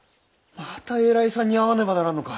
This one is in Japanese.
また偉いさんに会わねばならんのか？